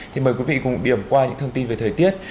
thì mời quý vị cùng điểm qua những thông tin về thời tiết